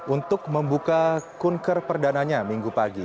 untuk membuka kunker perdana nya minggu pagi